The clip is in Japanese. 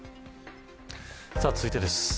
さあ、続いてです。